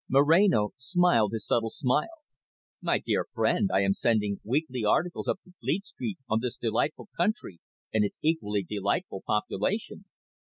Moreno smiled his subtle smile. "My dear friend, I am sending weekly articles up to Fleet Street on this delightful country, and its equally delightful population.